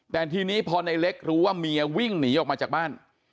แต่ทีนี้พอในเล็กรู้ว่าเมียวิ่งหนีออกมาจากบ้าน